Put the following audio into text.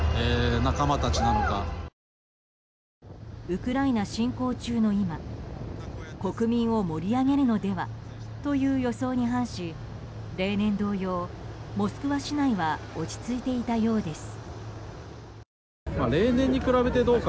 ウクライナ侵攻中の今国民を盛り上げるのではという予想に反し例年同様、モスクワ市内は落ち着いていたようです。